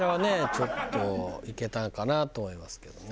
ちょっといけたかなと思いますけどね。